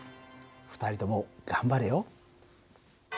２人とも頑張れよ。